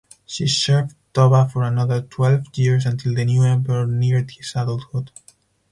She served Toba for another twelve years until the new emperor neared his adulthood.